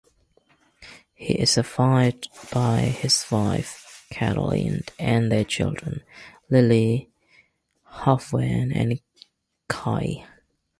He is survived by his wife, Caroline and their children: Lilly, Hafwen and Cai.